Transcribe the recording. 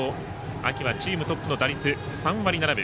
秋はチームトップの打率３割７分。